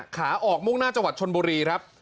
ขาออกมุ่งหน้าจังหวัดชนบุรีครับ